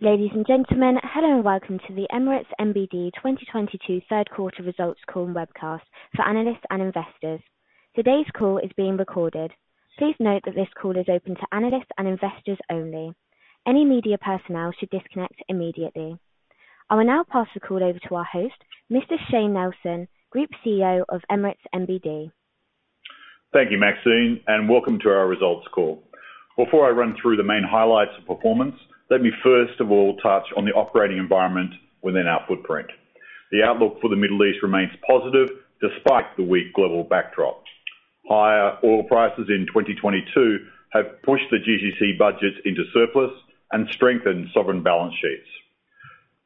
Ladies and gentlemen, hello and welcome to the Emirates NBD 2022 third quarter results call and webcast for analysts and investors. Today's call is being recorded. Please note that this call is open to analysts and investors only. Any media personnel should disconnect immediately. I will now pass the call over to our host, Mr. Shayne Nelson, Group CEO of Emirates NBD. Thank you, Maxine, and welcome to our results call. Before I run through the main highlights of performance, let me first of all touch on the operating environment within our footprint. The outlook for the Middle East remains positive despite the weak global backdrop. Higher oil prices in 2022 have pushed the GCC budgets into surplus and strengthened sovereign balance sheets.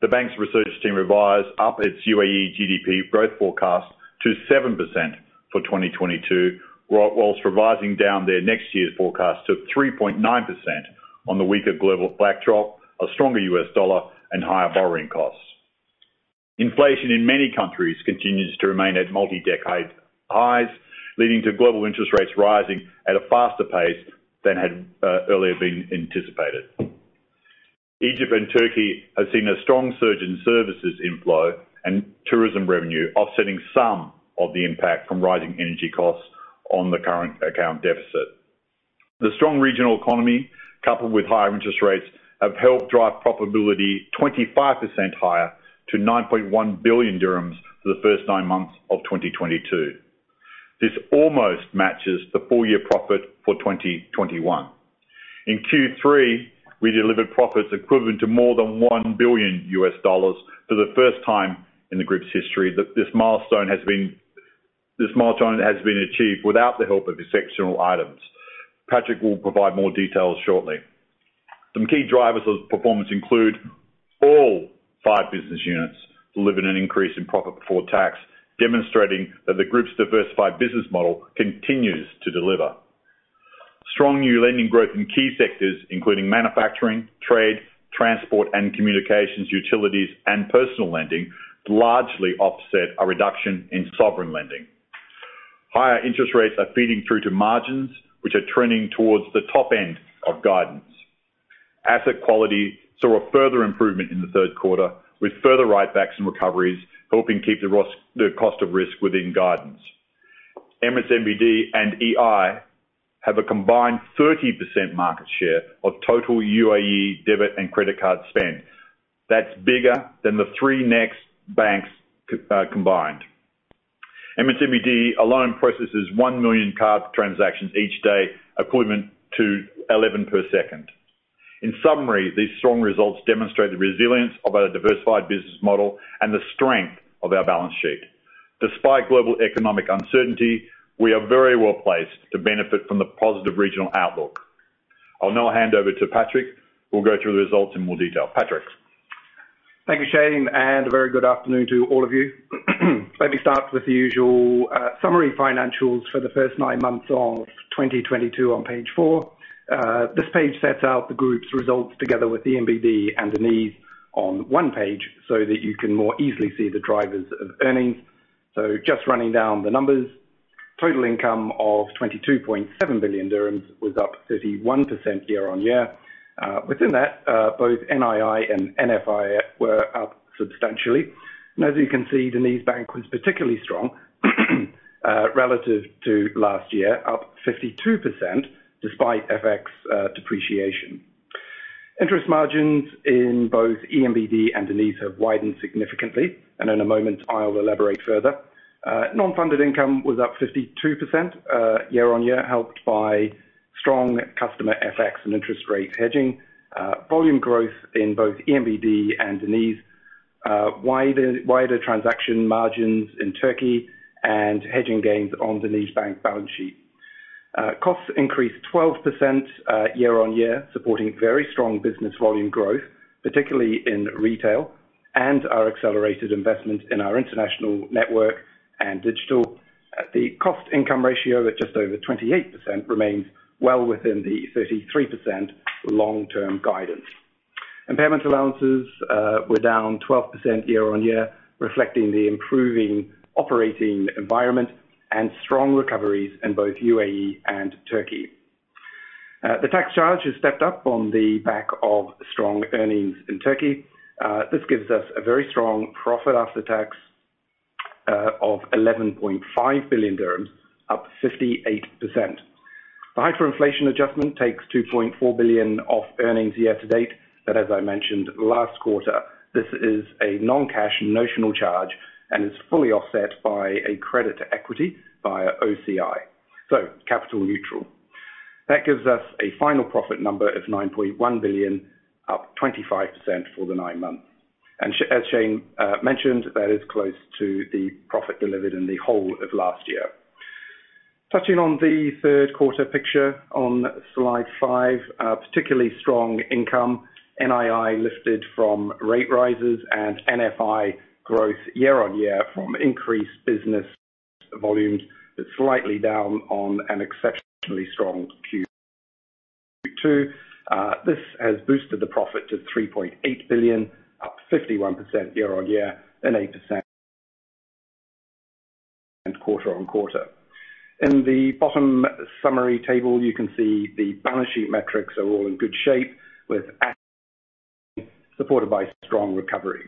The bank's research team revised up its UAE GDP growth forecast to 7% for 2022, while revising down their next year's forecast to 3.9% on the weaker global backdrop, a stronger U.S. dollar and higher borrowing costs. Inflation in many countries continues to remain at multi-decade highs, leading to global interest rates rising at a faster pace than had earlier been anticipated. Egypt and Turkey have seen a strong surge in services inflow and tourism revenue, offsetting some of the impact from rising energy costs on the current account deficit. The strong regional economy, coupled with higher interest rates, have helped drive profitability 25% higher to 9.1 billion dirhams for the first nine months of 2022. This almost matches the full year profit for 2021. In Q3, we delivered profits equivalent to more than $1 billion for the first time in the group's history. This milestone has been achieved without the help of exceptional items. Patrick will provide more details shortly. Some key drivers of performance include all five business units delivering an increase in profit before tax, demonstrating that the group's diversified business model continues to deliver. Strong new lending growth in key sectors including manufacturing, trade, transport and communications, utilities and personal lending largely offset a reduction in sovereign lending. Higher interest rates are feeding through to margins which are trending towards the top end of guidance. Asset quality saw a further improvement in the third quarter, with further write-backs and recoveries helping keep the cost of risk within guidance. Emirates NBD and EI have a combined 30% market share of total UAE debit and credit card spend. That's bigger than the three next banks combined. Emirates NBD alone processes 1 million card transactions each day, equivalent to 11 per second. In summary, these strong results demonstrate the resilience of a diversified business model and the strength of our balance sheet. Despite global economic uncertainty, we are very well placed to benefit from the positive regional outlook. I'll now hand over to Patrick, who will go through the results in more detail. Patrick. Thank you, Shayne, and a very good afternoon to all of you. Let me start with the usual summary financials for the first nine months of 2022 on page 4. This page sets out the group's results together with ENBD and DenizBank on one page so that you can more easily see the drivers of earnings. Just running down the numbers. Total income of 22.7 billion dirhams was up 31% year-on-year. Within that, both NII and NFI were up substantially. As you can see, DenizBank was particularly strong relative to last year, up 52% despite FX depreciation. Interest margins in both ENBD and DenizBank have widened significantly, and in a moment I'll elaborate further. Non-funded income was up 52% year-on-year, helped by strong customer FX and interest rate hedging. Volume growth in both ENBD and Deniz. Wider transaction margins in Turkey and hedging gains on DenizBank balance sheet. Costs increased 12%, year-on-year, supporting very strong business volume growth, particularly in retail and our accelerated investment in our international network and digital. The cost income ratio of just over 28% remains well within the 33% long-term guidance. Impairment allowances were down 12% year-on-year, reflecting the improving operating environment and strong recoveries in both UAE and Turkey. The tax charge has stepped up on the back of strong earnings in Turkey. This gives us a very strong profit after tax of 11.5 billion dirhams, up 58%. The hyperinflation adjustment takes 2.4 billion off earnings year-to-date, but as I mentioned last quarter, this is a non-cash notional charge and is fully offset by a credit to equity via OCI. Capital neutral. That gives us a final profit number of 9.1 billion, up 25% for the nine months. Shayne mentioned, that is close to the profit delivered in the whole of last year. Touching on the third quarter picture on slide five, particularly strong income. NII lifted from rate rises and NFI growth year-on-year from increased business volumes is slightly down on an exceptionally strong Q2. This has boosted the profit to 3.8 billion, up 51% year-on-year and 8% quarter-on-quarter. In the bottom summary table, you can see the balance sheet metrics are all in good shape with, supported by strong recovery.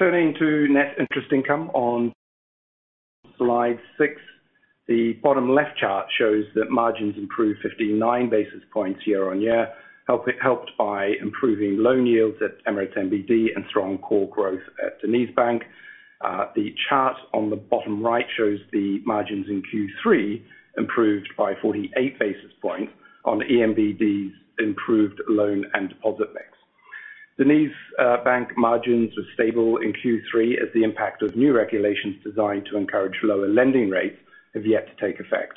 Turning to net interest income on slide six, the bottom left chart shows that margins improved 59 basis points year-on-year, helped by improving loan yields at Emirates NBD and strong core growth at DenizBank. The chart on the bottom right shows the margins in Q3 improved by 48 basis points on ENBD's improved loan and deposit mix. DenizBank margins were stable in Q3 as the impact of new regulations designed to encourage lower lending rates have yet to take effect.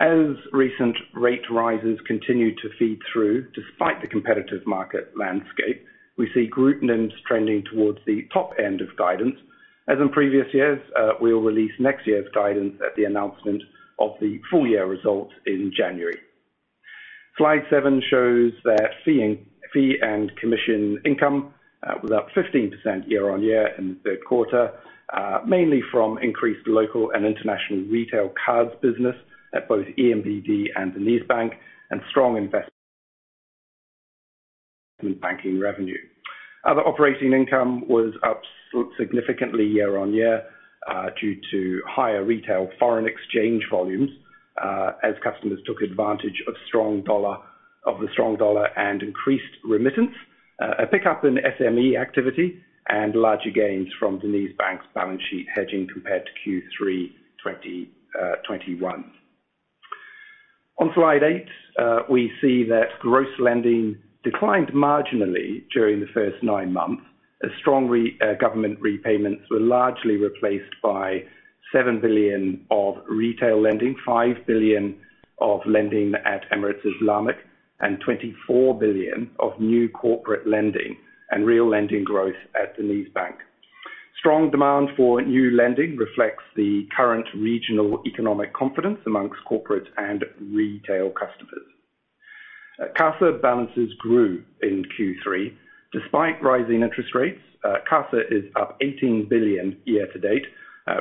As recent rate rises continue to feed through despite the competitive market landscape, we see group NIMs trending towards the top end of guidance. As in previous years, we'll release next year's guidance at the announcement of the full year results in January. Slide seven shows that fee and commission income was up 15% year-on-year in the third quarter, mainly from increased local and international retail cards business at both ENBD and DenizBank and strong investment banking revenue. Other operating income was up significantly year-on-year, due to higher retail foreign exchange volumes, as customers took advantage of the strong dollar and increased remittance, a pickup in SME activity and larger gains from DenizBank's balance sheet hedging compared to Q3 2021. On slide eight, we see that gross lending declined marginally during the first nine months as strong government repayments were largely replaced by 7 billion of retail lending, 5 billion of lending at Emirates Islamic, and 24 billion of new corporate lending and retail lending growth at DenizBank. Strong demand for new lending reflects the current regional economic confidence among corporate and retail customers. CASA balances grew in Q3 despite rising interest rates. CASA is up 18 billion year to date,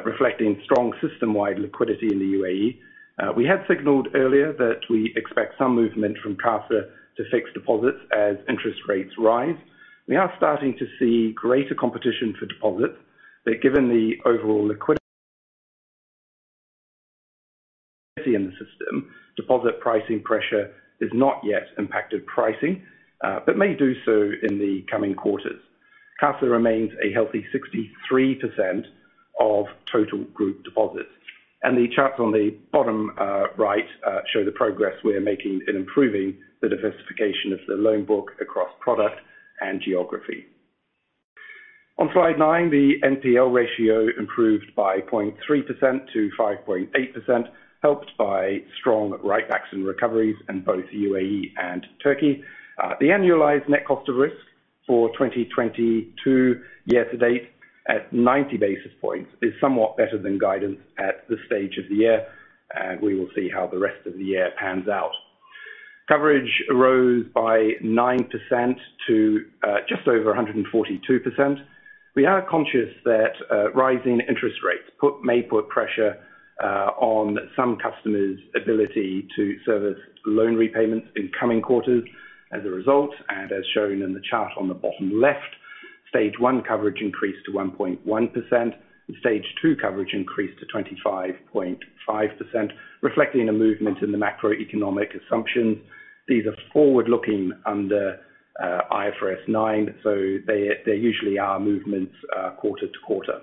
reflecting strong system-wide liquidity in the UAE. We had signaled earlier that we expect some movement from CASA to fixed deposits as interest rates rise. We are starting to see greater competition for deposits, but given the overall liquidity in the system, deposit pricing pressure has not yet impacted pricing, but may do so in the coming quarters. CASA remains a healthy 63% of total group deposits. The charts on the bottom right show the progress we are making in improving the diversification of the loan book across product and geography. On slide nine, the NPL ratio improved by 0.3% to 5.8%, helped by strong write-backs and recoveries in both UAE and Turkey. The annualized net cost of risk for 2022 year to date at 90 basis points is somewhat better than guidance at this stage of the year, and we will see how the rest of the year pans out. Coverage rose by 9% to just over 142%. We are conscious that rising interest rates may put pressure on some customers' ability to service loan repayments in coming quarters as a result, and as shown in the chart on the bottom left. Stage 1 coverage increased to 1.1%, and Stage 2 coverage increased to 25.5%, reflecting a movement in the macroeconomic assumptions. These are forward-looking under IFRS9, so they usually are movements quarter to quarter.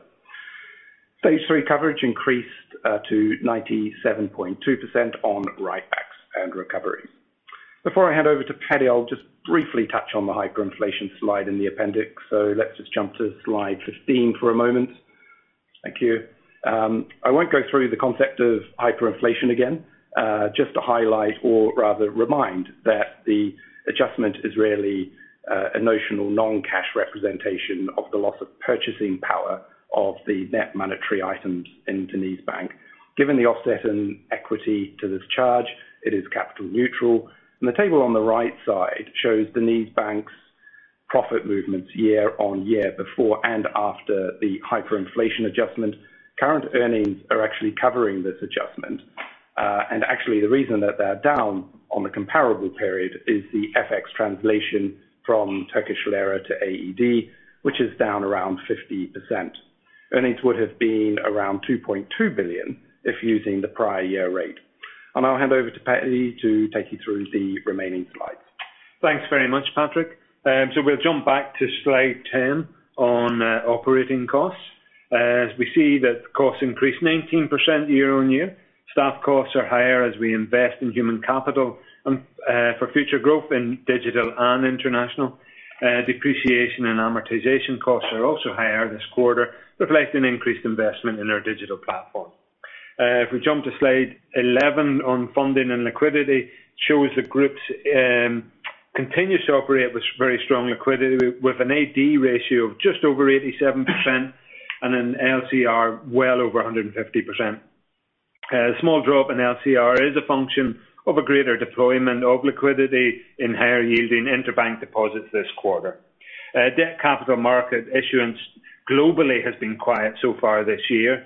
Stage 3 coverage increased to 97.2% on write-backs and recovery. Before I hand over to Paddy, I'll just briefly touch on the hyperinflation slide in the appendix. Let's just jump to slide 15 for a moment. Thank you. I won't go through the concept of hyperinflation again. Just to highlight or rather remind that the adjustment is really a notional non-cash representation of the loss of purchasing power of the net monetary items in DenizBank. Given the offset in equity to this charge, it is capital neutral, and the table on the right side shows DenizBank's profit movements year-on-year before and after the hyperinflation adjustment. Current earnings are actually covering this adjustment. Actually, the reason that they're down on the comparable period is the FX translation from Turkish lira to AED, which is down around 50%. Earnings would have been around 2.2 billion if using the prior year rate. I'll hand over to Paddy to take you through the remaining slides. Thanks very much, Patrick. We'll jump back to slide 10 on operating costs. As we see that costs increased 19% year-on-year. Staff costs are higher as we invest in human capital for future growth in digital and international. Depreciation and amortization costs are also higher this quarter, reflecting increased investment in our digital platform. If we jump to slide 11 on funding and liquidity, it shows the group's continuous operation with very strong liquidity with an AD ratio of just over 87% and an LCR well over 150%. A small drop in LCR is a function of a greater deployment of liquidity in higher-yielding interbank deposits this quarter. Debt capital market issuance globally has been quiet so far this year.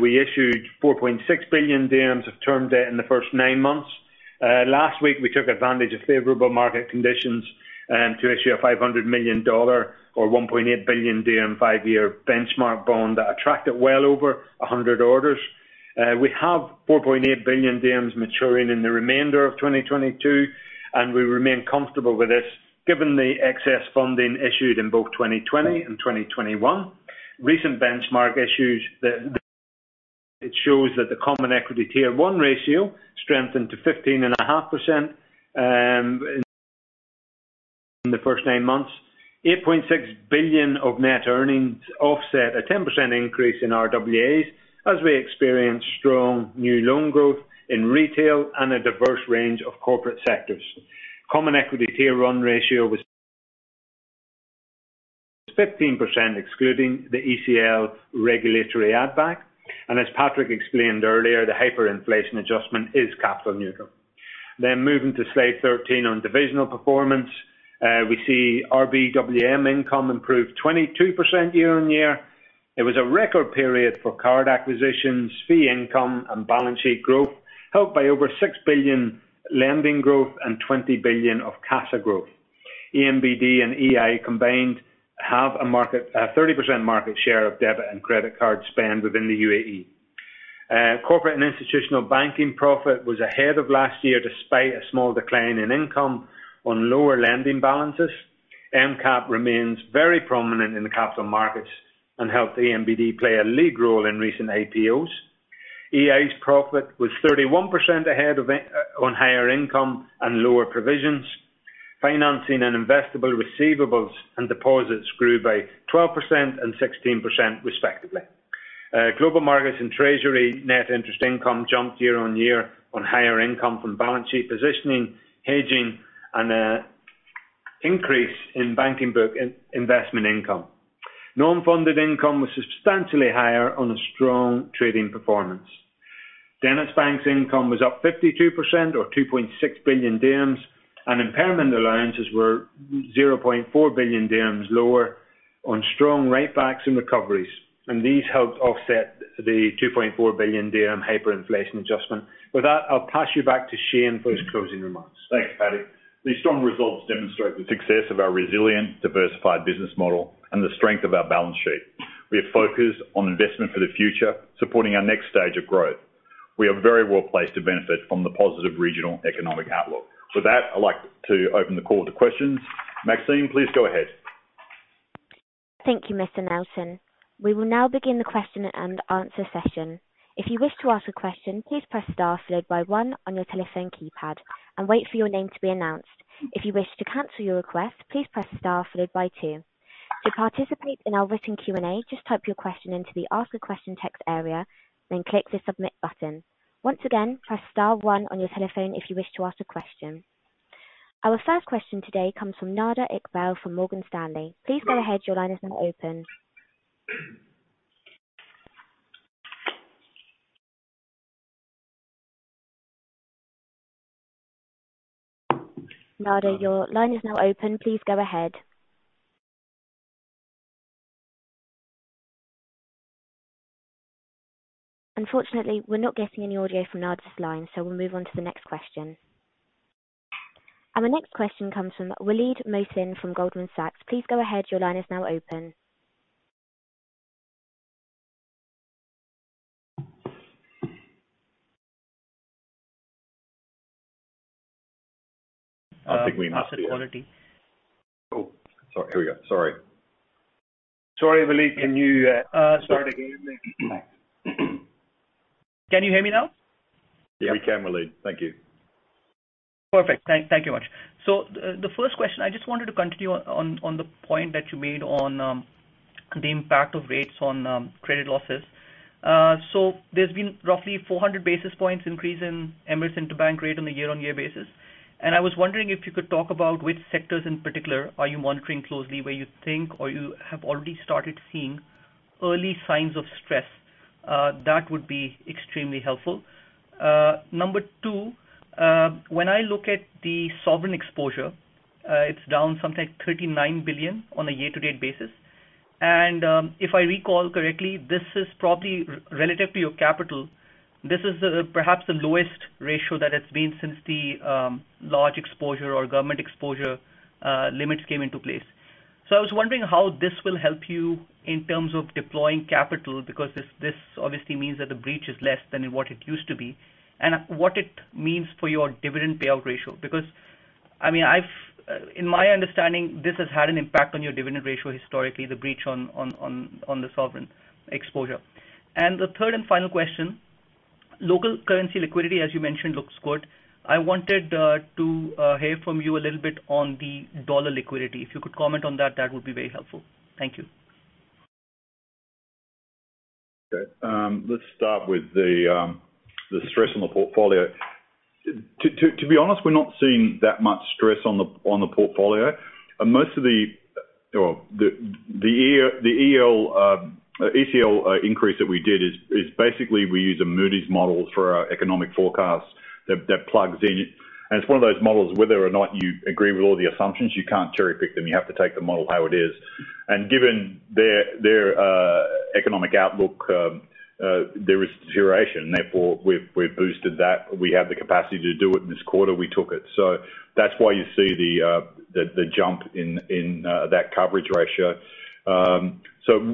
We issued 4.6 billion dirhams of term debt in the first nine months. Last week, we took advantage of favorable market conditions to issue a $500 million or 1.8 billion five-year benchmark bond that attracted well over 100 orders. We have 4.8 billion maturing in the remainder of 2022, and we remain comfortable with this given the excess funding issued in both 2020 and 2021. Recent benchmark issues. It shows that the Common Equity Tier 1 ratio strengthened to 15.5% in the first nine months. 8.6 billion of net earnings offset a 10% increase in RWAs as we experience strong new loan growth in retail and an adverse range of corporate sectors. Common Equity Tier 1 ratio was 15%, excluding the ECL regulatory add back. As Patrick explained earlier, the hyperinflation adjustment is capital neutral. Moving to slide 13 on divisional performance, we see RBWM income improved 22% year-on-year. It was a record period for card acquisitions, fee income, and balance sheet growth, helped by over 6 billion lending growth and 20 billion of CASA growth. ENBD and EI combined have a 30% market share of debit and credit card spend within the UAE. Corporate and institutional banking profit was ahead of last year despite a small decline in income on lower lending balances. EmCap remains very prominent in the capital markets and helped ENBD play a lead role in recent IPOs. EI's profit was 31% ahead of it on higher income and lower provisions. Financing and investable receivables and deposits grew by 12% and 16% respectively. Global markets and treasury net interest income jumped year-on-year on higher income from balance sheet positioning, hedging and increase in banking book investment income. Non-funded income was substantially higher on a strong trading performance. DenizBank's income was up 52% or 2.6 billion dirhams, and impairment allowances were 0.4 billion dirhams lower on strong write-backs and recoveries. These helped offset the 2.4 billion dirham hyperinflation adjustment. With that, I'll pass you back to Shayne for his closing remarks. Thanks, Paddy. These strong results demonstrate the success of our resilient, diversified business model and the strength of our balance sheet. We are focused on investment for the future, supporting our next stage of growth. We are very well placed to benefit from the positive regional economic outlook. For that, I'd like to open the call to questions. Maxine, please go ahead. Thank you, Mr. Nelson. We will now begin the question and answer session. If you wish to ask a question, please press star followed by one on your telephone keypad and wait for your name to be announced. If you wish to cancel your request, please press star followed by two. To participate in our written Q&A, just type your question into the ask a question text area, then click the submit button. Once again, press star one on your telephone if you wish to ask a question. Our first question today comes from Nida Iqbal Ahmed from Morgan Stanley. Please go ahead. Your line is now open. Nida, your line is now open. Please go ahead. Unfortunately, we're not getting any audio from Nida's line, so we'll move on to the next question. The next question comes from Waleed Mohsin from Goldman Sachs. Please go ahead. Your line is now open. I think we missed it. Cool. Sorry. Here we go. Sorry. Sorry, Waleed. Can you start again? Can you hear me now? Yeah, we can, Waleed. Thank you. Perfect. Thank you much. The first question, I just wanted to continue on the point that you made on the impact of rates on credit losses. There's been roughly 400 basis points increase in Emirates Interbank Rate on a year-on-year basis, and I was wondering if you could talk about which sectors in particular are you monitoring closely, where you think or you have already started seeing early signs of stress. That would be extremely helpful. Number two, when I look at the sovereign exposure, it's down something 39 billion on a year-to-date basis. If I recall correctly, this is probably relative to your capital. This is perhaps the lowest ratio that it's been since the large exposure or government exposure limits came into place. I was wondering how this will help you in terms of deploying capital, because this obviously means that the breach is less than what it used to be and what it means for your dividend payout ratio. I mean, in my understanding, this has had an impact on your dividend ratio historically, the breach on the sovereign exposure. The third and final question, local currency liquidity, as you mentioned, looks good. I wanted to hear from you a little bit on the dollar liquidity. If you could comment on that would be very helpful. Thank you. Okay. Let's start with the stress on the portfolio. To be honest, we're not seeing that much stress on the portfolio. Most of the year, the ECL increase that we did is basically we use a Moody's model for our economic forecast that plugs in. It's one of those models whether or not you agree with all the assumptions, you can't cherry-pick them. You have to take the model how it is. Given their economic outlook, there is duration. Therefore, we've boosted that. We have the capacity to do it in this quarter, we took it. That's why you see the jump in that coverage ratio.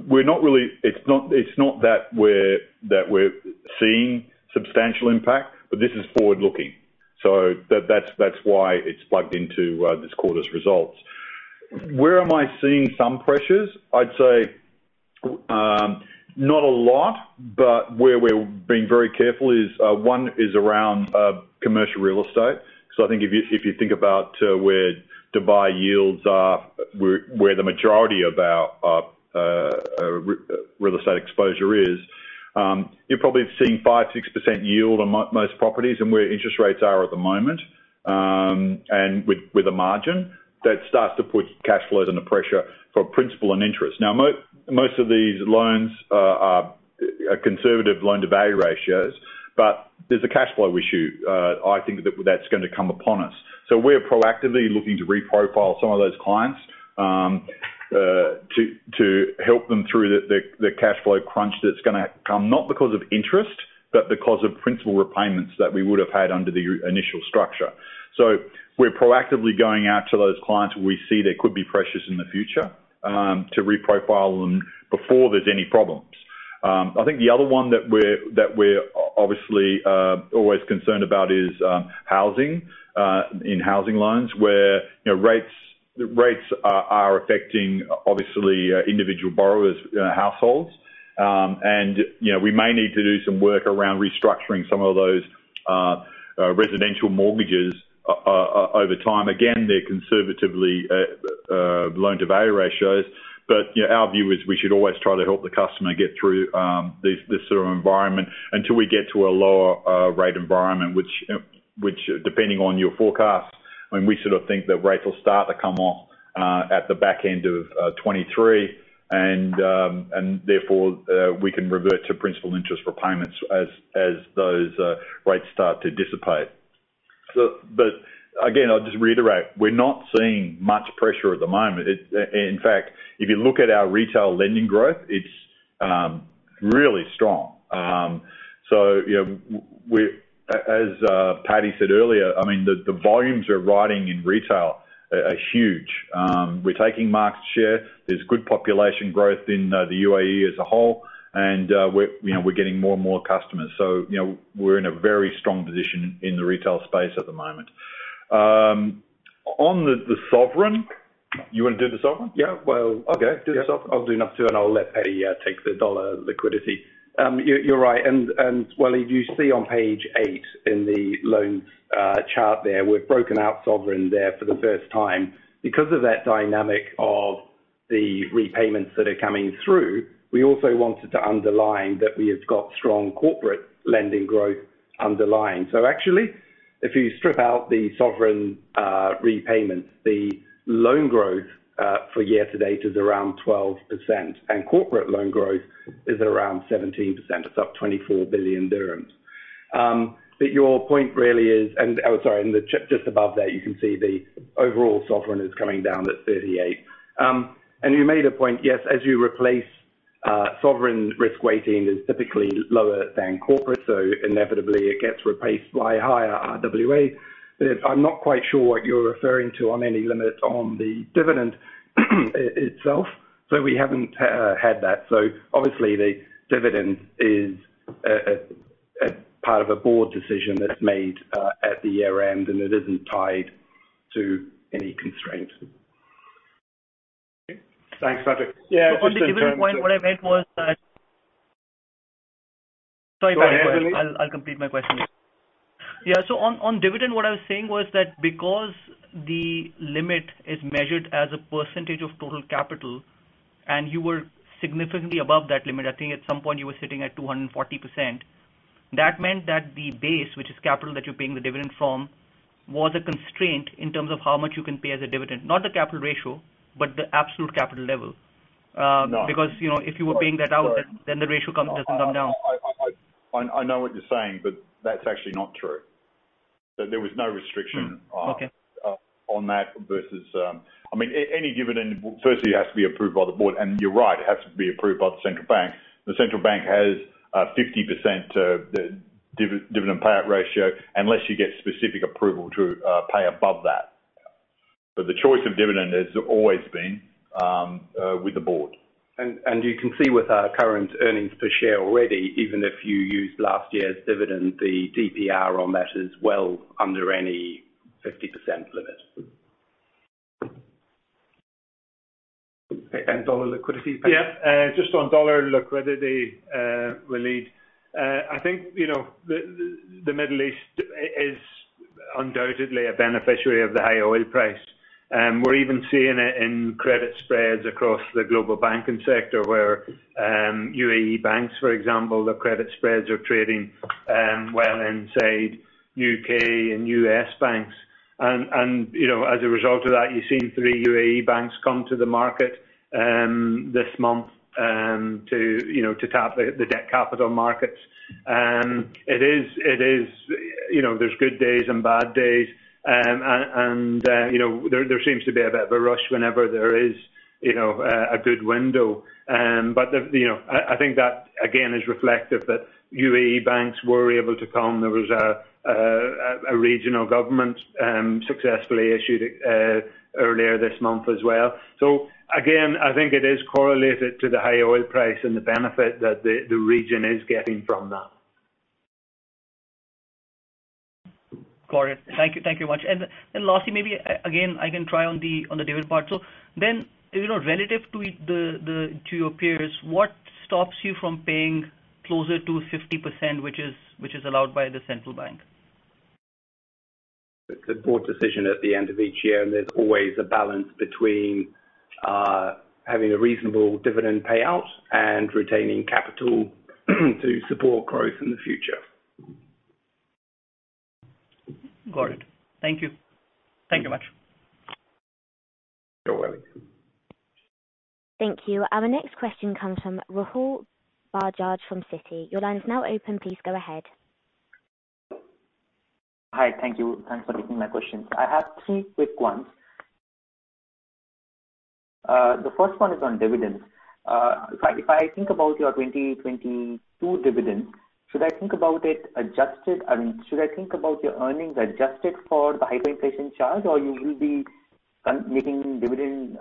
We're not really. It's not that we're seeing substantial impact, but this is forward-looking. That's why it's plugged into this quarter's results. Where am I seeing some pressures? I'd say not a lot, but where we're being very careful is one is around commercial real estate. I think if you think about where Dubai yields are, where the majority of our real estate exposure is, you're probably seeing 5%-6% yield on most properties and where interest rates are at the moment, and with a margin. That starts to put cash flows under pressure for principal and interest. Now, most of these loans are conservative loan-to-value ratios, but there's a cash flow issue, I think that's gonna come upon us. We are proactively looking to re-profile some of those clients, to help them through the cash flow crunch that's gonna come, not because of interest, but because of principal repayments that we would have had under the initial structure. We're proactively going out to those clients we see there could be pressures in the future, to re-profile them before there's any problems. I think the other one that we're obviously always concerned about is housing in housing loans, where, you know, rates are affecting obviously individual borrowers' households. You know, we may need to do some work around restructuring some of those residential mortgages over time. Again, they're conservatively loan-to-value ratios. You know, our view is we should always try to help the customer get through this sort of environment until we get to a lower rate environment, which depending on your forecast, I mean, we sort of think that rates will start to come off at the back end of 2023. Therefore, we can revert to principal interest repayments as those rates start to dissipate. But again, I'll just reiterate, we're not seeing much pressure at the moment. In fact, if you look at our retail lending growth, it's really strong. You know, we, as Paddy said earlier, I mean, the volumes are rising in retail are huge. We're taking market share. There's good population growth in the UAE as a whole, and we're, you know, we're getting more and more customers. You know, we're in a very strong position in the retail space at the moment. On the sovereign, you wanna do the sovereign? Yeah. Okay. Do the sovereign. I'll do enough too, and I'll let Paddy take the dollar liquidity. You're right. Waleed, you see on page 8 in the loans chart there, we've broken out sovereign there for the first time. Because of that dynamic of the repayments that are coming through, we also wanted to underline that we have got strong corporate lending growth underlying. Actually, if you strip out the sovereign repayments, the loan growth for year to date is around 12%, and corporate loan growth is around 17%. It's up 24 billion dirhams. But your point really is. Oh, sorry. Just above that, you can see the overall sovereign is coming down to 38 billion. You made a point, yes. As you replace, sovereign risk weighting is typically lower than corporate, so inevitably it gets replaced by higher RWA. I'm not quite sure what you're referring to on any limit on the dividend, itself. We haven't had that. Obviously the dividend is a part of a board decision that's made at the year-end, and it isn't tied to any constraint. Thanks, Patrick. Yeah. On the dividend point, what I meant was that. Sorry about that, Waleed. Go ahead, Waleed. I'll complete my question. Yeah. On dividend, what I was saying was that because the limit is measured as a percentage of total capital and you were significantly above that limit, I think at some point you were sitting at 240%, that meant that the base, which is capital that you're paying the dividend from, was a constraint in terms of how much you can pay as a dividend. Not the capital ratio, but the absolute capital level. No. Because, you know, if you were paying that out, then the ratio doesn't come down. I know what you're saying, but that's actually not true. There was no restriction. Okay on that versus, I mean, any dividend, well, firstly has to be approved by the board. You're right, it has to be approved by the central bank. The central bank has a 50% dividend payout ratio unless you get specific approval to pay above that. The choice of dividend has always been with the board. You can see with our current earnings per share already, even if you used last year's dividend, the DPR on that is well under any 50% limit. Dollar liquidity. Yeah. Just on dollar liquidity, Waleed. I think, you know, the Middle East is Undoubtedly a beneficiary of the high oil price. We're even seeing it in credit spreads across the global banking sector where, UAE banks, for example, the credit spreads are trading, well inside UK and US banks. You know, as a result of that, you're seeing three UAE banks come to the market, this month, to tap the debt capital markets. It is. You know, there's good days and bad days. You know, there seems to be a bit of a rush whenever there is, you know, a good window. You know, I think that again is reflective that UAE banks were able to come. There was a regional government successfully issued earlier this month as well. Again, I think it is correlated to the high oil price and the benefit that the region is getting from that. Got it. Thank you. Thank you much. Lastly, maybe again, I can try on the dividend part. You know, relative to your peers, what stops you from paying closer to 50%, which is allowed by the central bank? It's a board decision at the end of each year, and there's always a balance between having a reasonable dividend payout and retaining capital to support growth in the future. Got it. Thank you. Thank you much. You're welcome. Thank you. Our next question comes from Rahul Bajaj from Citi. Your line is now open. Please go ahead. Hi. Thank you. Thanks for taking my question. I have three quick ones. The first one is on dividends. If I think about your 2022 dividend, should I think about it adjusted? I mean, should I think about your earnings adjusted for the hyperinflation charge, or you will be making dividend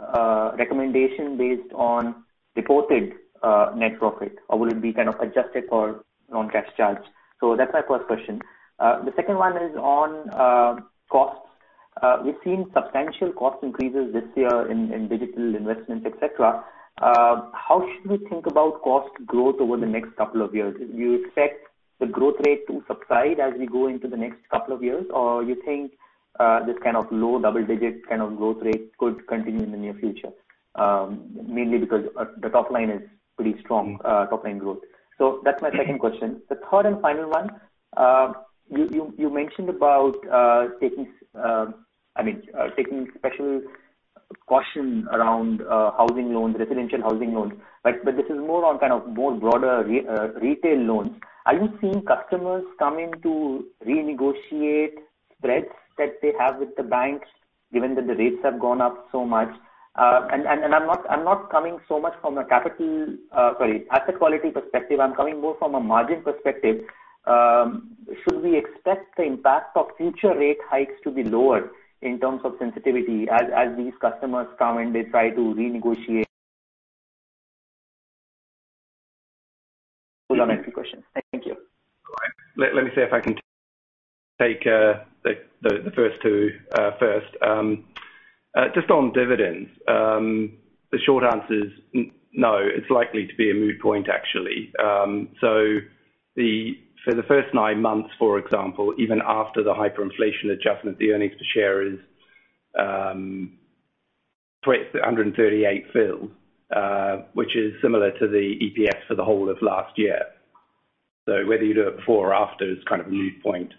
recommendation based on reported net profit? Or will it be kind of adjusted for non-cash charge? So that's my first question. The second one is on costs. We've seen substantial cost increases this year in digital investments, et cetera. How should we think about cost growth over the next couple of years? Do you expect the growth rate to subside as we go into the next couple of years? You think this kind of low double-digit kind of growth rate could continue in the near future, mainly because the top line is pretty strong, top-line growth. That's my second question. The third and final one, you mentioned about taking, I mean, taking special caution around housing loans, residential housing loans, but this is more on kind of more broader retail loans. Are you seeing customers coming to renegotiate spreads that they have with the banks given that the rates have gone up so much? And I'm not coming so much from a capital, sorry, asset quality perspective, I'm coming more from a margin perspective. Should we expect the impact of future rate hikes to be lower in terms of sensitivity as these customers come and they try to renegotiate? Those are my three questions. Thank you. All right. Let me see if I can take the first two first. Just on dividends, the short answer is no. It's likely to be a moot point, actually. For the first nine months, for example, even after the hyperinflation adjustment, the earnings per share is 2.38, which is similar to the EPS for the whole of last year. Whether you do it before or after is kind of a moot point.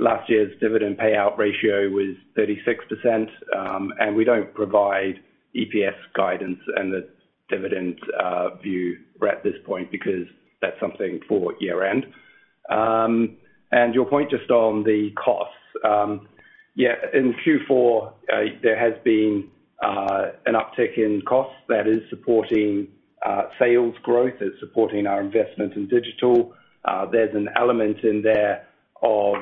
Last year's dividend payout ratio was 36%, and we don't provide EPS guidance and the dividend view we're at this point because that's something for year-end. Your point just on the costs. Yeah, in Q4, there has been an uptick in costs that is supporting sales growth. It's supporting our investment in digital. There's an element in there of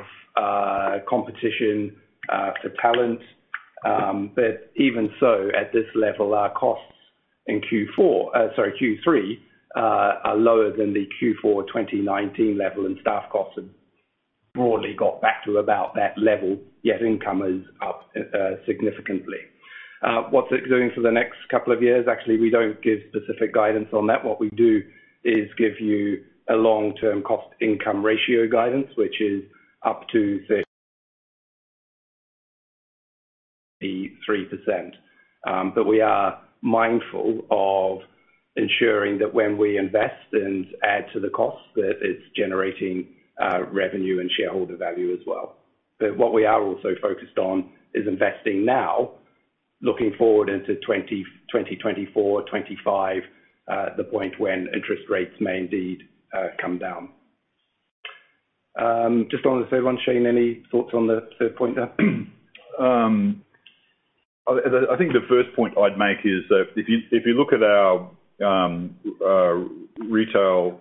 competition for talent. Even so, at this level, our costs in Q3 are lower than the Q4 2019 level, and staff costs have broadly got back to about that level, yet income is up significantly. What's it doing for the next couple of years? Actually, we don't give specific guidance on that. What we do is give you a long-term cost income ratio guidance, which is up to 33%. We are mindful of ensuring that when we invest and add to the cost, that it's generating revenue and shareholder value as well. What we are also focused on is investing now, looking forward into 2024, 2025, the point when interest rates may indeed come down. Just on the third one, Shayne, any thoughts on the third point there? I think the first point I'd make is that if you look at our retail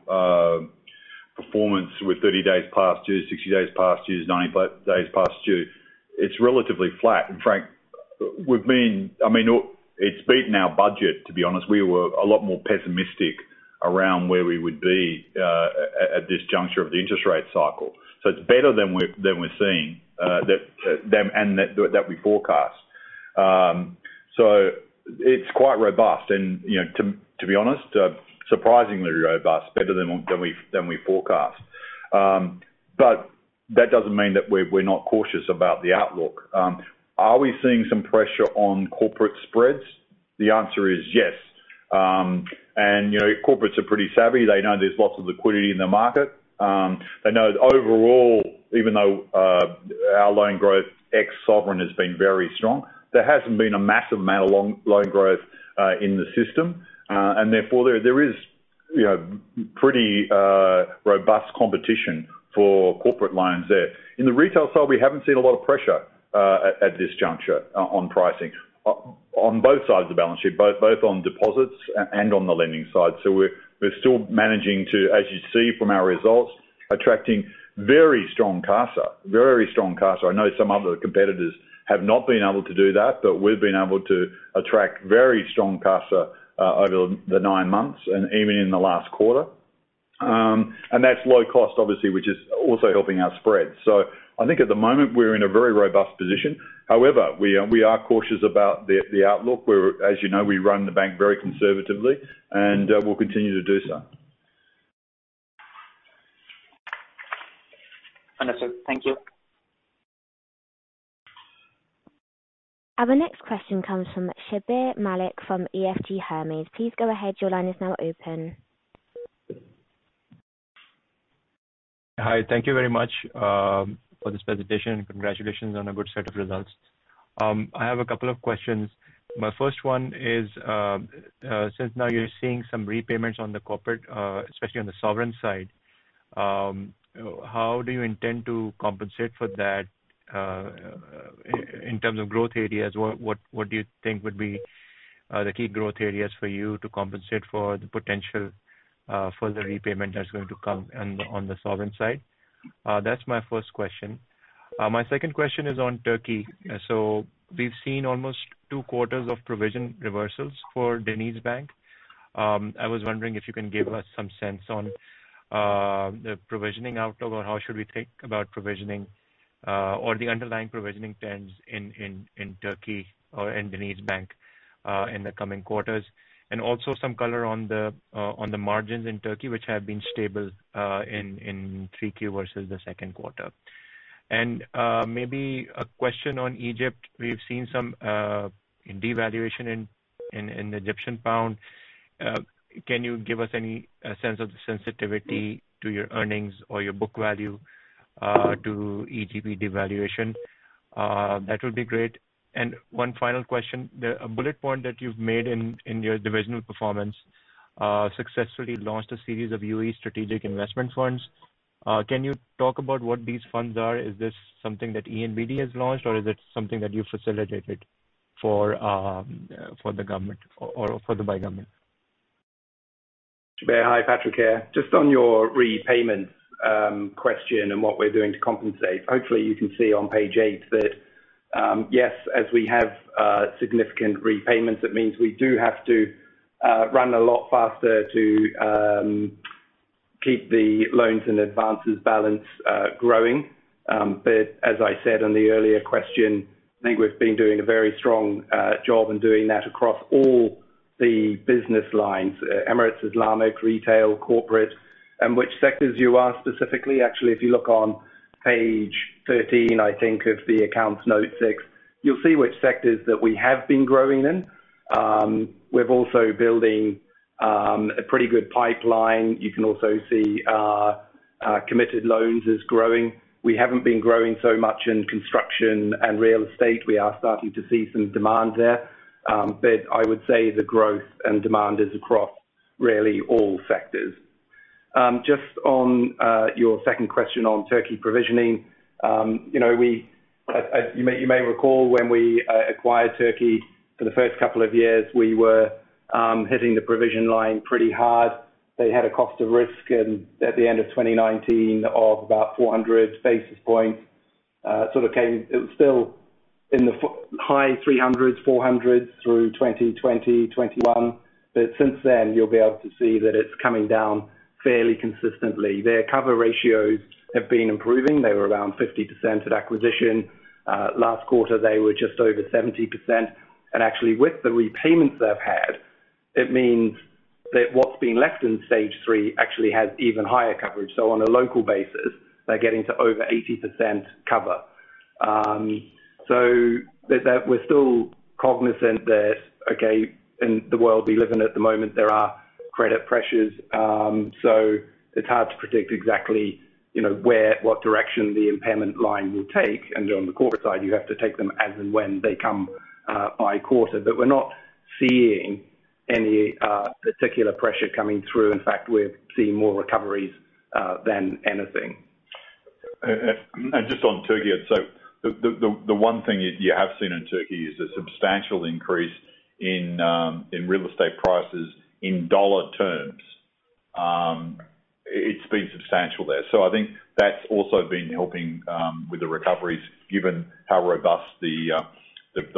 performance with 30 days past due, 60 days past due, 95 days past due, it's relatively flat. In fact, I mean, it's beaten our budget, to be honest. We were a lot more pessimistic around where we would be at this juncture of the interest rate cycle. It's better than we're seeing than we forecast. So it's quite robust and, you know, to be honest, surprisingly robust, better than we forecast. That doesn't mean that we're not cautious about the outlook. Are we seeing some pressure on corporate spreads? The answer is yes. You know, corporates are pretty savvy. They know there's lots of liquidity in the market. They know that overall, even though our loan growth ex sovereign has been very strong, there hasn't been a massive amount of loan growth in the system. Therefore, there is, you know, pretty robust competition for corporate loans there. In the retail side, we haven't seen a lot of pressure at this juncture on pricing. On both sides of the balance sheet, both on deposits and on the lending side. We're still managing to, as you see from our results, attracting very strong CASA. I know some other competitors have not been able to do that, but we've been able to attract very strong CASA over the nine months and even in the last quarter. That's low cost, obviously, which is also helping our spread. I think at the moment, we're in a very robust position. However, we are cautious about the outlook. As you know, we run the bank very conservatively, and we'll continue to do so. Understood. Thank you. Our next question comes from Shabbir Malik from EFG Hermes. Please go ahead. Your line is now open. Hi, thank you very much for this presentation, and congratulations on a good set of results. I have a couple of questions. My first one is, since now you're seeing some repayments on the corporate, especially on the sovereign side, how do you intend to compensate for that, in terms of growth areas? What do you think would be the key growth areas for you to compensate for the potential, further repayment that's going to come on the sovereign side? That's my first question. My second question is on Turkey. So we've seen almost two quarters of provision reversals for DenizBank. I was wondering if you can give us some sense on the provisioning out or how should we think about provisioning or the underlying provisioning trends in Turkey or in DenizBank in the coming quarters. Also some color on the margins in Turkey, which have been stable in 3Q versus the second quarter. Maybe a question on Egypt. We've seen some devaluation in the Egyptian pound. Can you give us any sense of the sensitivity to your earnings or your book value to EGP devaluation? That would be great. One final question. A bullet point that you've made in your divisional performance, successfully launched a series of UAE Strategic Investment Funds. Can you talk about what these funds are? Is this something that ENBD has launched, or is it something that you facilitated for the government or by the government? Shabbir, hi, Patrick here. Just on your repayment question and what we're doing to compensate. Hopefully, you can see on page 8 that, yes, as we have significant repayments, it means we do have to run a lot faster to keep the loans and advances balance growing. But as I said on the earlier question, I think we've been doing a very strong job in doing that across all the business lines, Emirates Islamic, retail, corporate. Which sectors, you ask, specifically? Actually, if you look on page 13, I think in the accounts, note 6, you'll see which sectors that we have been growing in. We're also building a pretty good pipeline. You can also see committed loans is growing. We haven't been growing so much in construction and real estate. We are starting to see some demand there. I would say the growth and demand is across really all sectors. Just on your second question on Turkey provisioning. You may recall when we acquired Turkey for the first couple of years, we were hitting the provision line pretty hard. They had a cost of risk and at the end of 2019 of about 400 basis points. It was still in the high 300s, 400s through 2020, 2021. Since then, you'll be able to see that it's coming down fairly consistently. Their cover ratios have been improving. They were around 50% at acquisition. Last quarter, they were just over 70%. Actually, with the repayments they've had, it means that what's been left in Stage 3 actually has even higher coverage. On a local basis, they're getting to over 80% cover. We're still cognizant that, in the world we live in at the moment, there are credit pressures. It's hard to predict exactly, you know, where, what direction the impairment line will take. On the corporate side, you have to take them as and when they come, by quarter. We're not seeing any particular pressure coming through. In fact, we're seeing more recoveries than anything. Just on Turkey. The one thing you have seen in Turkey is a substantial increase in real estate prices in dollar terms. It's been substantial there. I think that's also been helping with the recoveries, given how robust the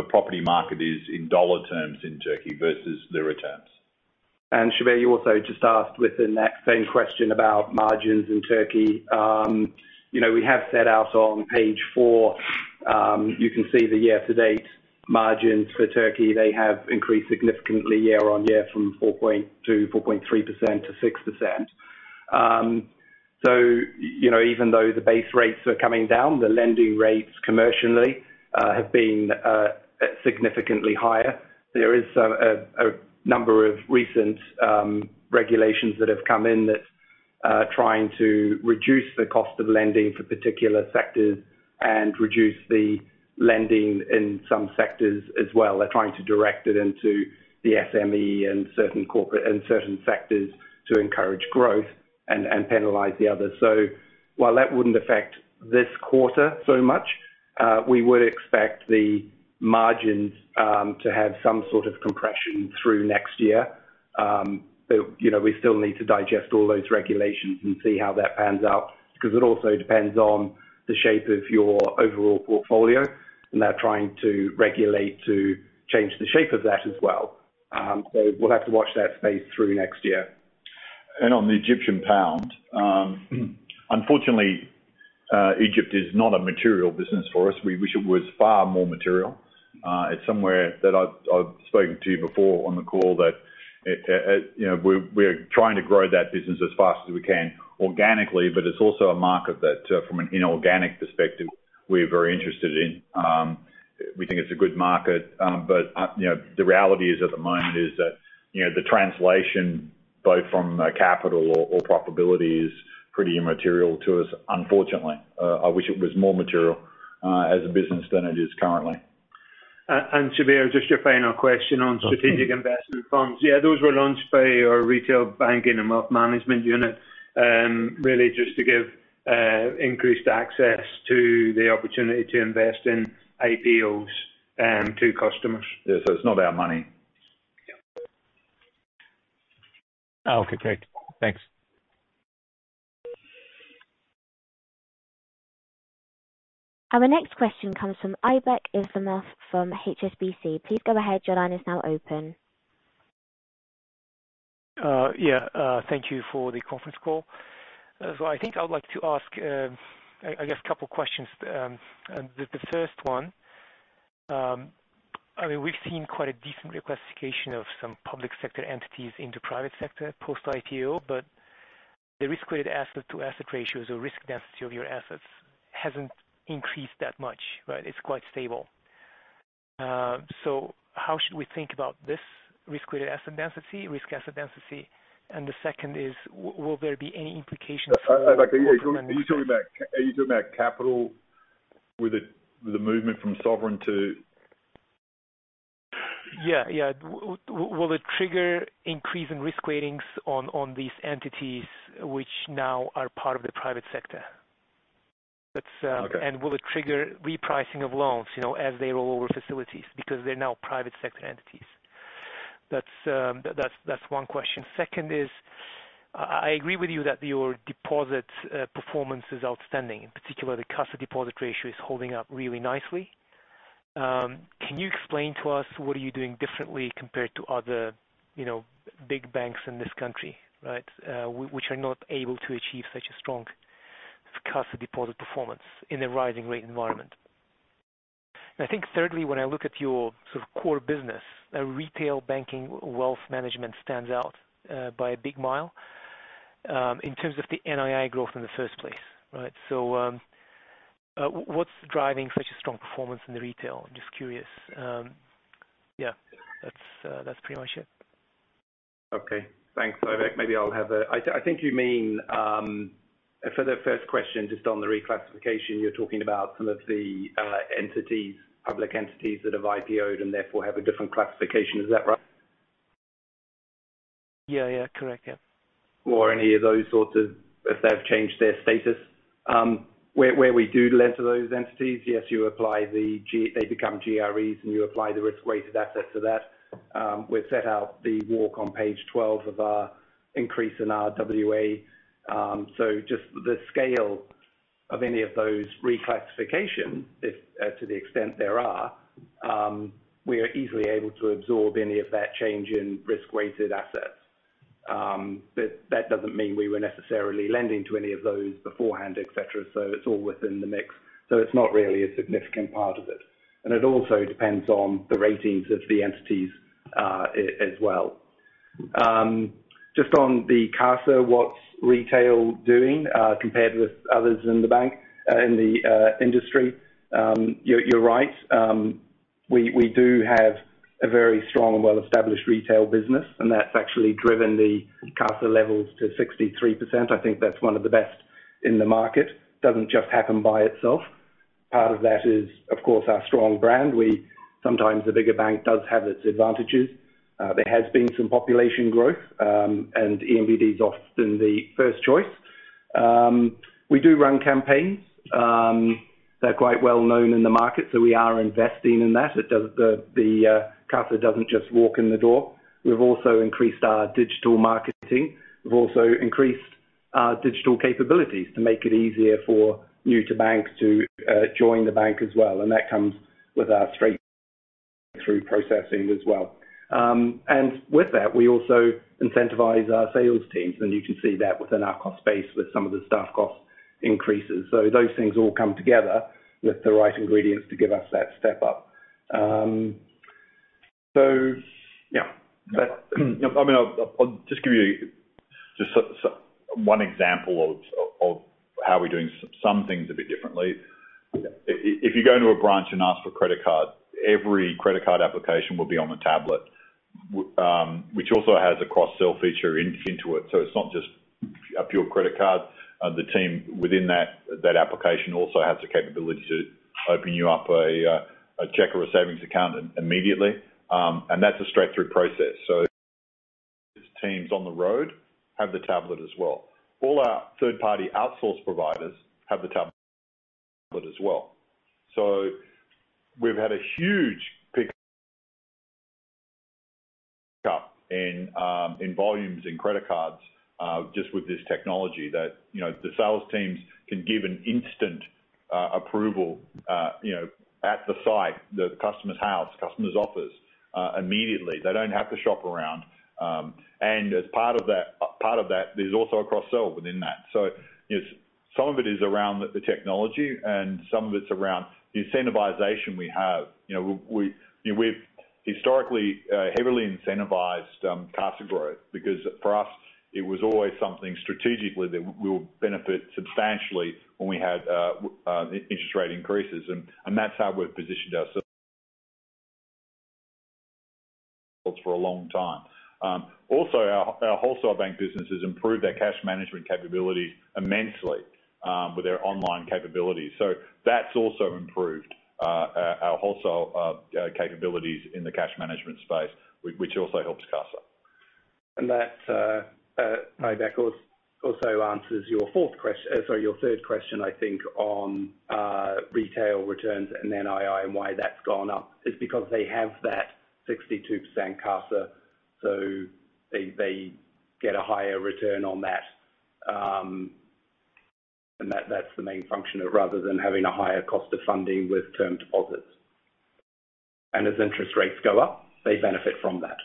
property market is in dollar terms in Turkey versus the returns. Shabbir, you also just asked within that same question about margins in Turkey. You know, we have set out on page 4. You can see the year-to-date margins for Turkey. They have increased significantly year-on-year from 4.2 to 4.3% to 6%. You know, even though the base rates are coming down, the lending rates commercially have been significantly higher. There is a number of recent regulations that have come in that are trying to reduce the cost of lending for particular sectors and reduce the lending in some sectors as well. They're trying to direct it into the SME and certain corporate in certain sectors to encourage growth and penalize the others. While that wouldn't affect this quarter so much, we would expect the margins to have some sort of compression through next year. You know, we still need to digest all those regulations and see how that pans out, because it also depends on the shape of your overall portfolio, and they're trying to regulate to change the shape of that as well. We'll have to watch that space through next year. On the Egyptian pound. Unfortunately, Egypt is not a material business for us. We wish it was far more material. It's somewhere that I've spoken to you before on the call that you know, we're trying to grow that business as fast as we can organically, but it's also a market that from an inorganic perspective, we're very interested in. We think it's a good market. But you know, the reality is at the moment is that you know, the translation, both from capital or profitability is pretty immaterial to us, unfortunately. I wish it was more material as a business than it is currently. Shabbir, just your final question on Strategic Investment Funds. Yeah, those were launched by our retail banking and wealth management unit, really just to give increased access to the opportunity to invest in IPOs, to customers. Yeah. It's not our money. Yeah. Okay, great. Thanks. Our next question comes from Aybek Islamov from HSBC. Please go ahead. Your line is now open. Thank you for the conference call. I think I would like to ask, I guess a couple questions. The first one, I mean, we've seen quite a decent reclassification of some public sector entities into private sector post-IPO, but the risk-weighted asset-to-asset ratios or risk density of your assets hasn't increased that much, right? It's quite stable. How should we think about this risk-weighted asset density, risk asset density? The second is, will there be any implications for- Aybek, are you talking about capital with the movement from sovereign to? Yeah, yeah. Will it trigger increase in risk weightings on these entities which now are part of the private sector? Okay. Will it trigger repricing of loans, you know, as they roll over facilities because they're now private sector entities? That's one question. Second is, I agree with you that your deposit performance is outstanding. In particular, the CASA deposit ratio is holding up really nicely. Can you explain to us what are you doing differently compared to other, you know, big banks in this country, right, which are not able to achieve such a strong CASA deposit performance in a rising rate environment? I think thirdly, when I look at your sort of core business, retail banking, wealth management stands out by a big mile in terms of the NII growth in the first place, right? What's driving such a strong performance in the retail? I'm just curious. Yeah, that's pretty much it. Okay. Thanks, Aybek. I think you mean, for the first question, just on the reclassification, you're talking about some of the entities, public entities that have IPO'd and therefore have a different classification. Is that right? Yeah, yeah. Correct. Yeah. If they've changed their status. Where we do lend to those entities, yes, you apply the They become GREs, and you apply the risk-weighted assets to that. We've set out the walk on page 12 of our increase in our RWA. Just the scale of any of those reclassification, if to the extent there are, we are easily able to absorb any of that change in risk-weighted assets. But that doesn't mean we were necessarily lending to any of those beforehand, et cetera. It's all within the mix. It's not really a significant part of it. It also depends on the ratings of the entities, as well. Just on the CASA, what's retail doing, compared with others in the bank, in the industry? You're right. We do have a very strong and well-established retail business, and that's actually driven the CASA levels to 63%. I think that's one of the best in the market. Doesn't just happen by itself. Part of that is, of course, our strong brand. Sometimes the bigger bank does have its advantages. There has been some population growth, and ENBD is often the first choice. We do run campaigns. They're quite well-known in the market, so we are investing in that. The CASA doesn't just walk in the door. We've also increased our digital marketing. We've also increased our digital capabilities to make it easier for new-to-bank customers to join the bank as well. That comes with our straight-through processing as well. With that, we also incentivize our sales teams, and you can see that within our cost base with some of the staff cost increases. Those things all come together with the right ingredients to give us that step up. I mean, I'll just give you one example of how we're doing some things a bit differently. If you go into a branch and ask for credit card, every credit card application will be on the tablet, which also has a cross-sell feature into it. It's not just a pure credit card. The team within that application also has the capability to open you up a check or a savings account immediately. That's a straight-through process. These teams on the road have the tablet as well. All our third-party outsource providers have the tablet as well. We've had a huge pick-up in volumes in credit cards, just with this technology that, you know, the sales teams can give an instant approval, you know, at the site, the customer's house, customer's office, immediately. They don't have to shop around. As part of that, there's also a cross-sell within that. You know, some of it is around the technology and some of it's around the incentivization we have. You know, we've historically heavily incentivized CASA growth because for us, it was always something strategically that we will benefit substantially when we had interest rate increases. That's how we've positioned ourselves for a long time. Also, our wholesale bank business has improved their cash management capabilities immensely with their online capabilities. That's also improved our wholesale capabilities in the cash management space, which also helps CASA. That also answers, sorry, your third question, I think, on retail returns and NII and why that's gone up. It's because they have that 62% CASA, so they get a higher return on that, and that's the main function rather than having a higher cost of funding with term deposits. As interest rates go up, they benefit from that.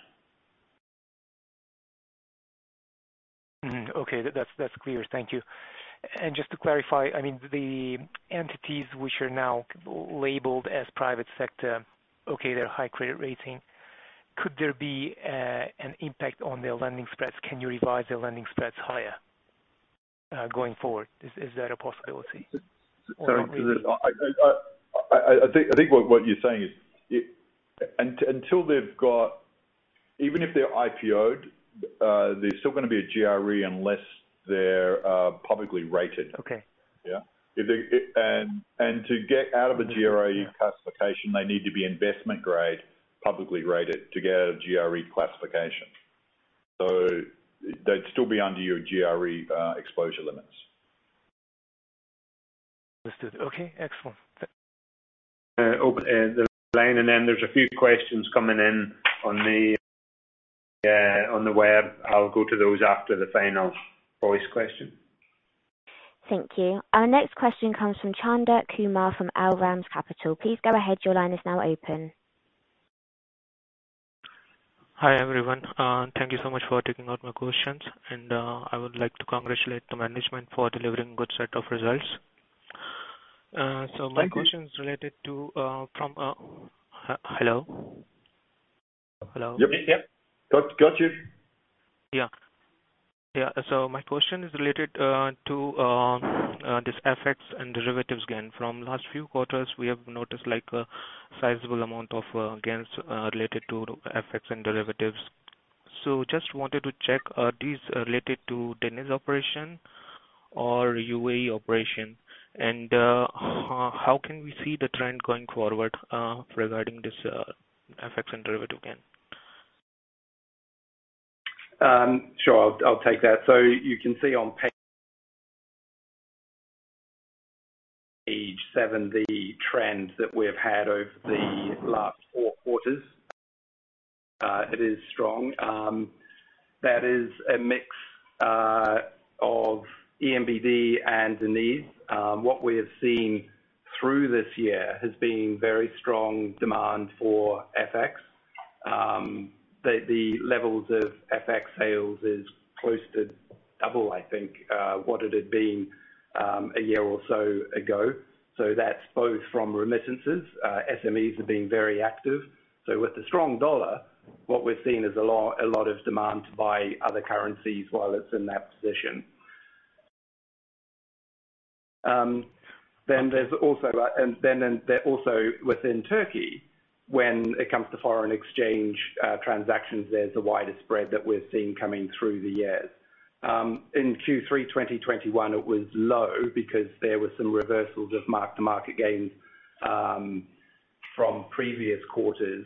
Okay, that's clear. Thank you. Just to clarify, I mean, the entities which are now labeled as private sector, okay, they're high credit rating. Could there be an impact on their lending spreads? Can you revise their lending spreads higher going forward? Is that a possibility? Sorry. I think what you're saying is even if they're IPO'd, there's still gonna be a GRE unless they're publicly rated. Okay. To get out of a GRE classification, they need to be investment grade, publicly rated to get out of GRE classification. They'd still be under your GRE exposure limits. Understood. Okay. Excellent. Open the line, and then there's a few questions coming in on the web. I'll go to those after the final voice question. Thank you. Our next question comes from Chandan Kumar from Al Ramz Capital. Please go ahead. Your line is now open. Hi, everyone. Thank you so much for taking my questions. I would like to congratulate the management for delivering a good set of results. My question. Thank you. Hello? Yep. Got you. My question is related to this FX and derivatives gain. From last few quarters, we have noticed, like, a sizable amount of gains related to FX and derivatives. Just wanted to check, are these related to Deniz operation or UAE operation? How can we see the trend going forward regarding this FX and derivative gain? Sure. I'll take that. You can see on page 70 trends that we've had over the last four quarters. It is strong. That is a mix of ENBD and DenizBank. What we have seen through this year has been very strong demand for FX. The levels of FX sales is close to double, I think, what it had been a year or so ago. That's both from remittances. SMEs have been very active. With the strong dollar, what we're seeing is a lot of demand to buy other currencies while it's in that position. Then there's also within Turkey, when it comes to foreign exchange transactions, there's a wider spread that we're seeing coming through this year. In Q3 2021, it was low because there were some reversals of mark-to-market gains from previous quarters,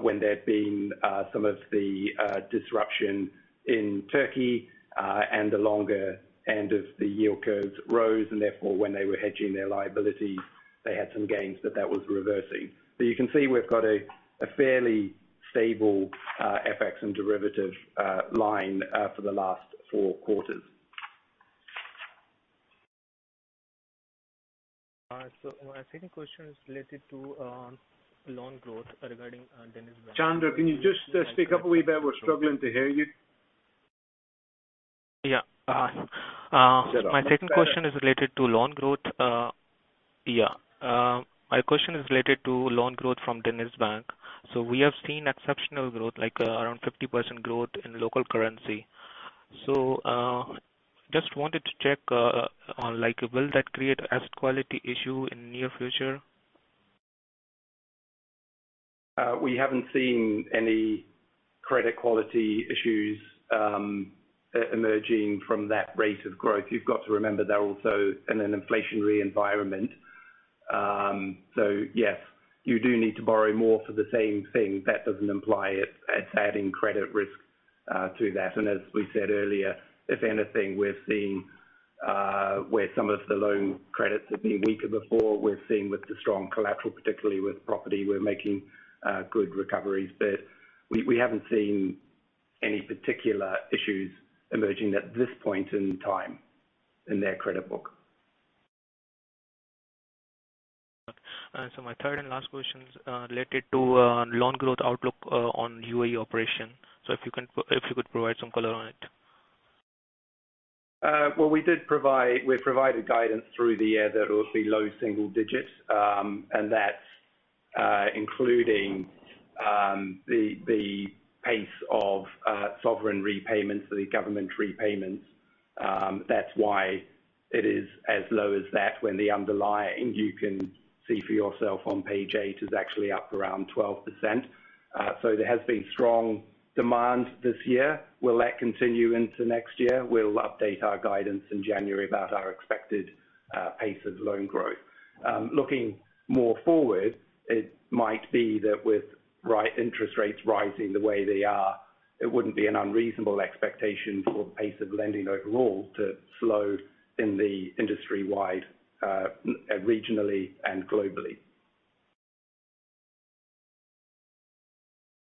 when there had been some of the disruption in Turkey and the longer end of the yield curves rose, and therefore, when they were hedging their liabilities, they had some gains that was reversing. You can see we've got a fairly stable FX and derivatives line for the last four quarters. My second question is related to loan growth regarding DenizBank. Chandan, can you just, speak up a bit? We're struggling to hear you. My second question is related to loan growth. My question is related to loan growth from DenizBank. We have seen exceptional growth, like around 50% growth in local currency. Just wanted to check, on like will that create asset quality issue in near future? We haven't seen any credit quality issues emerging from that rate of growth. You've got to remember they're also in an inflationary environment. Yes, you do need to borrow more for the same thing. That doesn't imply it's adding credit risk to that. As we said earlier, if anything, we're seeing where some of the loan credits have been weaker before, we're seeing with the strong collateral, particularly with property, we're making good recoveries. We haven't seen any particular issues emerging at this point in time in their credit book. My third and last question is related to loan growth outlook on UAE operation. If you could provide some color on it. Well, we've provided guidance through the year. They're obviously low single digits. That's including the pace of sovereign repayments, the government repayments. That's why it is as low as that when the underlying, you can see for yourself on page 8, is actually up around 12%. There has been strong demand this year. Will that continue into next year? We'll update our guidance in January about our expected pace of loan growth. Looking more forward, it might be that with interest rates rising the way they are, it wouldn't be an unreasonable expectation for pace of lending overall to slow in the industry wide, regionally and globally.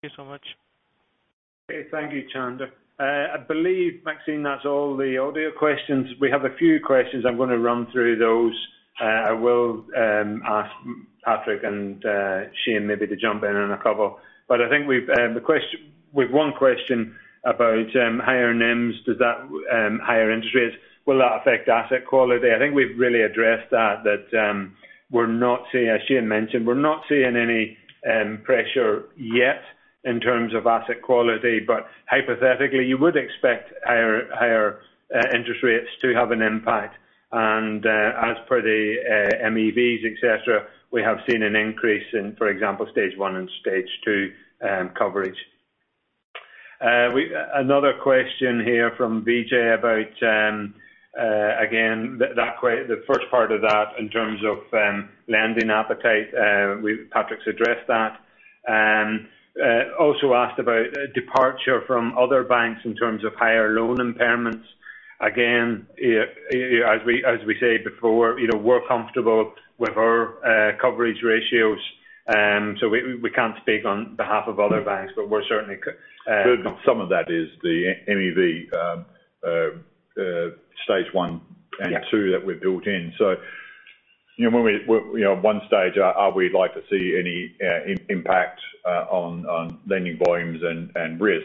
Thank you so much. Okay. Thank you, Chanda. I believe, Maxine, that's all the audio questions. We have a few questions. I'm gonna run through those. I will ask Patrick and Shayne maybe to jump in on a couple. I think we've one question about higher NIMS. Does that higher interest rates will that affect asset quality? I think we've really addressed that we're not seeing. As Shayne mentioned, we're not seeing any pressure yet in terms of asset quality. Hypothetically, you would expect higher interest rates to have an impact. As per the MEVs, et cetera, we have seen an increase in, for example, Stage 1 and Stage 2 coverage. Another question here from Vijay about again the first part of that in terms of lending appetite. Patrick's addressed that. Also asked about departure from other banks in terms of higher loan impairments. Again, as we said before, you know, we're comfortable with our coverage ratios. We can't speak on behalf of other banks, but we're certainly Some of that is the MEV, stage one. Yeah. two that we've built in. You know, you know, one stage, are we likely to see any impact on lending volumes and risk.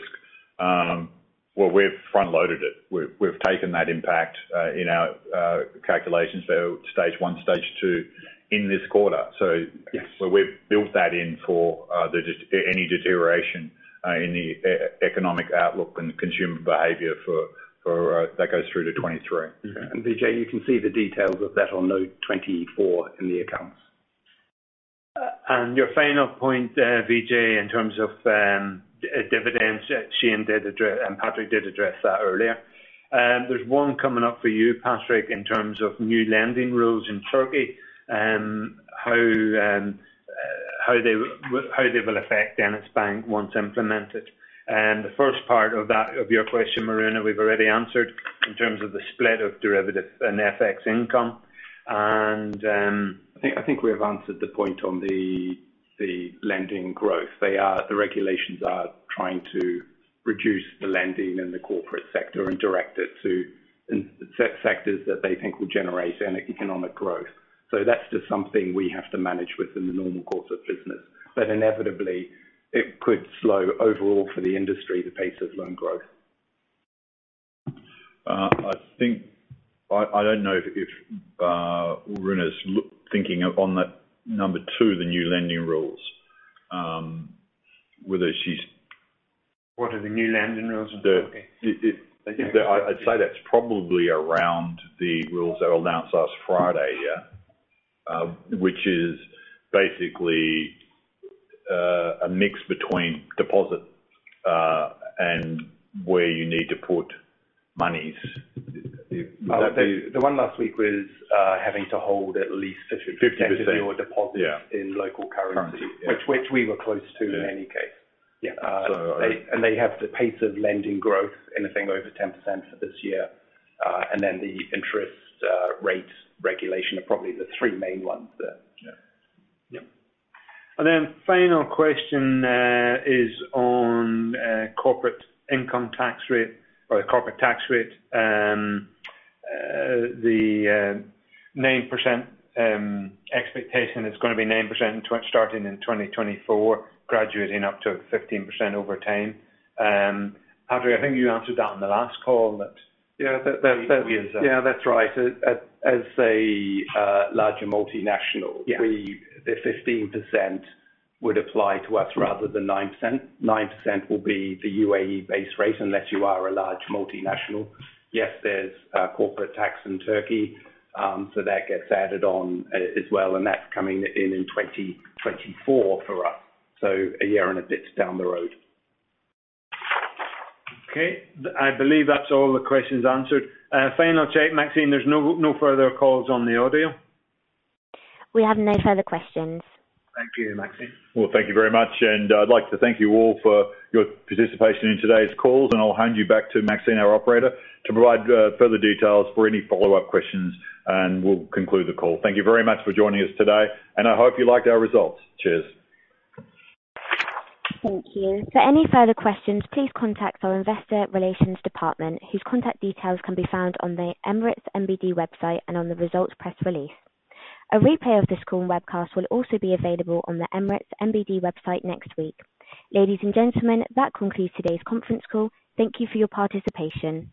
Well, we've front loaded it. We've taken that impact in our calculations, so Stage 1, Stage 2 in this quarter. Yes. We've built that in for any deterioration in the economic outlook and consumer behavior for that goes through to 2023. Mm-hmm. Vijay, you can see the details of that on note 24 in the accounts. Your final point there, Vijay, in terms of dividends, Shayne did address and Patrick did address that earlier. There's one coming up for you, Patrick, in terms of new lending rules in Turkey. How they will affect DenizBank once implemented. The first part of that, of your question, Marina, we've already answered in terms of the split of derivative and FX income and, I think we have answered the point on the lending growth. The regulations are trying to reduce the lending in the corporate sector and direct it to sectors that they think will generate any economic growth. That's just something we have to manage within the normal course of business. Inevitably, it could slow overall for the industry, the pace of loan growth. I think I don't know if Runa's thinking of on that number two, the new lending rules, whether she's What are the new lending rules in Turkey? The- I'd say that's probably around the rules that were announced last Friday, yeah. Which is basically a mix between deposit and where you need to put monies. The one last week was having to hold at least 50%. 50%. of your deposits Yeah. in local currency. Currency. Yeah. Which we were close to. Yeah. In any case. Yeah. They have the pace of lending growth, anything over 10% for this year. Then the interest rate regulation are probably the three main ones there. Yeah. Yeah. Final question is on corporate income tax rate or the corporate tax rate. The 9% expectation is gonna be 9% starting in 2024, graduating up to 15% over time. Patrick, I think you answered that on the last call. Yeah. We answered that. Yeah, that's right. As a larger multinational- Yeah. The 15% would apply to us rather than 9%. 9% will be the UAE-based rate unless you are a large multinational. Yes, there's corporate tax in Turkey, so that gets added on as well, and that's coming in in 2024 for us, so a year and a bit down the road. Okay. I believe that's all the questions answered. Final check, Maxine, there's no further calls on the audio? We have no further questions. Thank you, Maxine. Well, thank you very much. I'd like to thank you all for your participation in today's call. I'll hand you back to Maxine, our operator, to provide further details for any follow-up questions, and we'll conclude the call. Thank you very much for joining us today, and I hope you liked our results. Cheers. Thank you. For any further questions, please contact our investor relations department whose contact details can be found on the Emirates NBD website and on the results press release. A replay of this call and webcast will also be available on the Emirates NBD website next week. Ladies and gentlemen, that concludes today's conference call. Thank you for your participation.